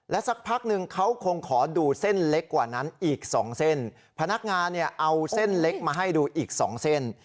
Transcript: สักพักหนึ่งเขาคงขอดูเส้นเล็กกว่านั้นอีกสองเส้นพนักงานเนี่ยเอาเส้นเล็กมาให้ดูอีกสองเส้น